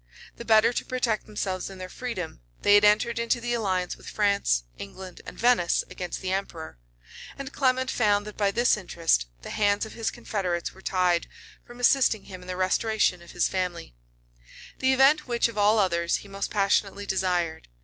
The better to protect themselves in their freedom, they had entered into the alliance with France, England, and Venice, against the emperor; and Clement found that by this interest, the hands of his confederates were tied from assisting him in the restoration of his family; the event which, of all others, he most passionately desired.